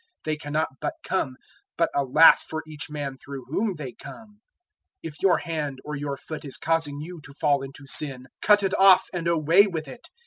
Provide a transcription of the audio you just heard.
They cannot but come, but alas for each man through whom they come! 018:008 If your hand or your foot is causing you to fall into sin, cut it off and away with it.